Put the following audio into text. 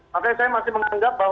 makanya saya masih menganggap bahwa